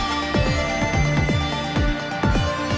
nak kok awalnya kamu selalu mempercepat bapak